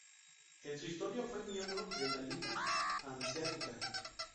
En su historia fue miembro de la Liga Hanseática.